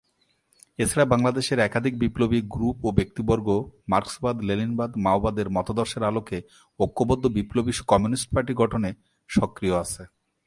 এছাড়া বাংলাদেশের একাধিক বিপ্লবী গ্রুপ ও ব্যক্তিবর্গ মার্ক্সবাদ-লেনিনবাদ-মাওবাদ এর মতাদর্শের আলোকে ঐক্যবদ্ধ বিপ্লবী কমিউনিস্ট পার্টি গঠনে সক্রিয় আছে।